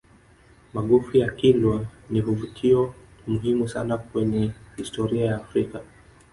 magofu ya kilwa ni vivutio muhimu sana kwenye historia ya africa